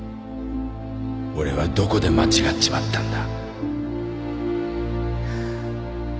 俺はどこで間違っちまったんだ